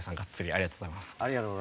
ありがとうございます。